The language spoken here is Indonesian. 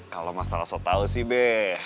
kalau masalah soto tau sih be